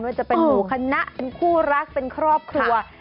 ว่าจะเป็นหมู่คณะเป็นคู่รักเป็นครอบครัว